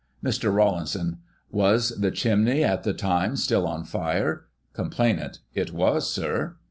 Mr. Rawlinson: Was the chimney, at the time, still on fire? Complainant: It was. Sir.